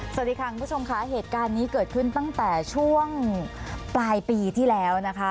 สวัสดีค่ะคุณผู้ชมค่ะเหตุการณ์นี้เกิดขึ้นตั้งแต่ช่วงปลายปีที่แล้วนะคะ